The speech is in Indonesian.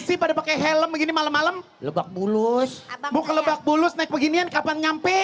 sih pada pakai helm begini malam malam lebak bulus buka lebak bulus naik beginian kapan nyampe